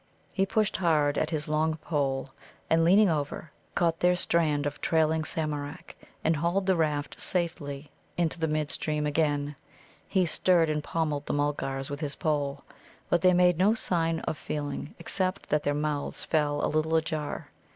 He pushed hard at his long pole, and, leaning over, caught their strand of trailing Samarak, and hauled the raft safely into mid stream again. He stirred and pommelled the Mulgars with his pole. But they made no sign of feeling, except that their mouths fell a little ajar.